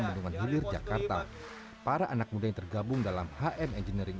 bendungan hilir jakarta para anak muda yang tergabung dalam hm engineering